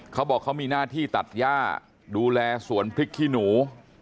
เขาบอกเขามีหน้าที่ตัดย่าดูแลสวนพริกขี้หนู